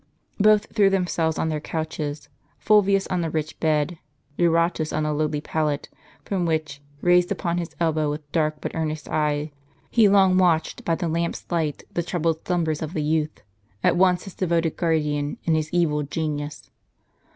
Both threw themselves on their couches; Fulvius on a rich bed, Eurotus on a lowly pallet, from which, raised upon his elbow, with dark but earnest eye, he long watched, by the lamp's light, the troubled slumbers of the youth — at once his devoted guardian and his evil genius.